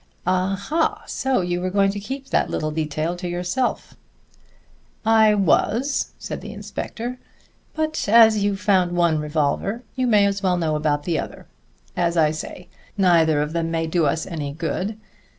"Aha! so you were going to keep that little detail to yourself." "I was," said the inspector, "but as you've found one revolver, you may as well know about the other. As I say, neither of them may do us any good.